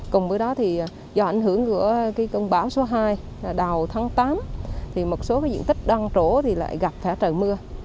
cùng với đó thì do ảnh hưởng của cái công bão số hai đầu tháng tám thì một số cái diện tích đoan trổ thì lại gặp phải trời mưa